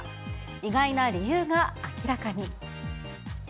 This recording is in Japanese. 意外な理由が明らかに。